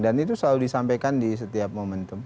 dan itu selalu disampaikan di setiap momentum